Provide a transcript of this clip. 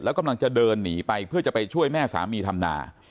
กำลังจะเดินหนีไปเพื่อจะไปช่วยแม่สามีทำนา